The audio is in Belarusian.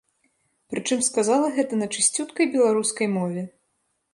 Прычым, сказала гэта на чысцюткай беларускай мове.